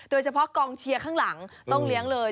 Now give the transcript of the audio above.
โดยเฉพาะกองเชียร์ข้างหลังต้องเลี้ยงเลย